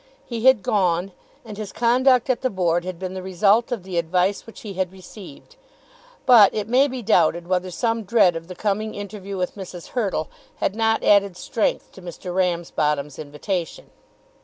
He had gone, and his conduct at the Board had been the result of the advice which he had received; but it may be doubted whether some dread of the coming interview with Mrs. Hurtle had not added strength to Mr. Ramsbottom's invitation.